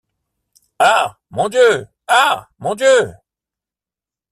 Ah ! mon Dieu ! ah ! mon Dieu !